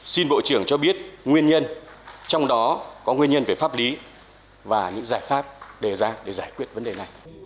xin bộ trưởng cho biết nguyên nhân trong đó có nguyên nhân về pháp lý và những giải pháp đề ra để giải quyết vấn đề này